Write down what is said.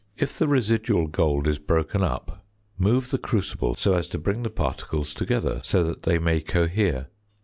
If the residual gold is broken up, move the crucible so as to bring the particles together, so that they may cohere.